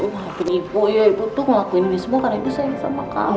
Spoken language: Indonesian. makasih ya bu iya ibu tuh ngelakuin ini semua karena ibu sayang sama kamu